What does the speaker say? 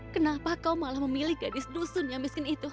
kenapa kau malah memilih gadis dusun yang miskin itu